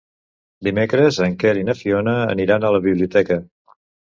Dimecres en Quer i na Fiona aniran a la biblioteca.